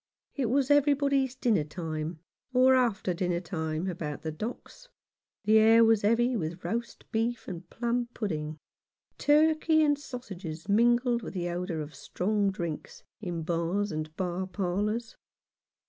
It was everybody's dinner time, or after dinner time, about the docks. The air was heavy with roast beef and plum pudding. Turkey and sausages mingled with the odour of strong drinks in bars and bar parlours.